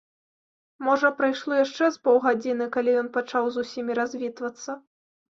Можа, прайшло яшчэ з паўгадзіны, калі ён пачаў з усімі развітвацца.